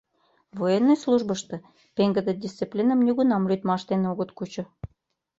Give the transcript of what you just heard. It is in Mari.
Военный службышто пеҥгыде дисциплиным нигунам лӱдмаш дене огыт кучо.